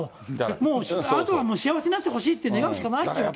もうあとは幸せになってほしいって、願うしかないという状況。